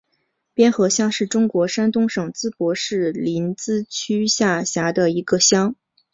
边河乡是中国山东省淄博市临淄区下辖的一个乡。